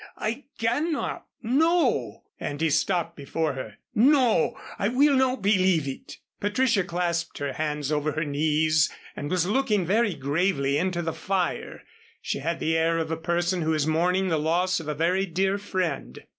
I cannot no " And he stopped before her. "No, I will not believe it!" Patricia clasped her hands over her knees and was looking very gravely into the fire. She had the air of a person who is mourning the loss of a very dear friend.